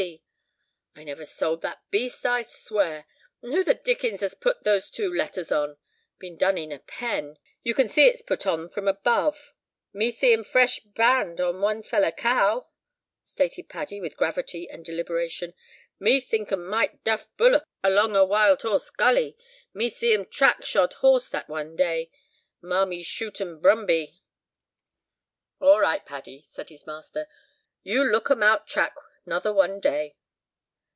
B.; I never sold that beast, I swear! And who the dickens has put those two letters on? Been done in a pen. You can see it's put on from above." "Me see um fresh brand on one feller cow," stated Paddy, with gravity and deliberation; "me thinkum might 'duff' bullock alonga Wild Horse Gully, me seeum track shod horse that one day marmy shootem brumbie." "All right, Paddy," said his master, "you lookem out track nother one day."